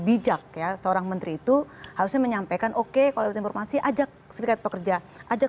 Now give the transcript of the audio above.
bijak ya seorang menteri itu harusnya menyampaikan oke kalau informasi ajak serikat pekerja ajak